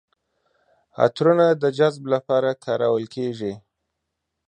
عطرونه د جذب لپاره کارول کیږي.